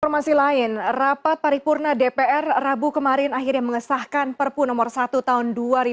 informasi lain rapat paripurna dpr rabu kemarin akhirnya mengesahkan perpu nomor satu tahun dua ribu dua puluh